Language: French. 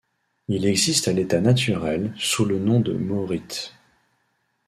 Il existe à l'état naturel, sous le nom de mohrite.